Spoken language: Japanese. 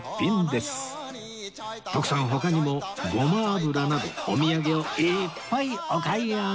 徳さん他にも胡麻油などお土産をいーっぱいお買い上げ